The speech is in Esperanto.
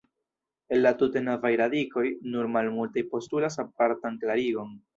El la tute novaj radikoj, nur malmultaj postulas apartan klarigon.